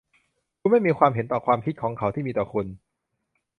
คุณไม่มีความเห็นต่อความคิดเห็นของเขาที่มีต่อคุณ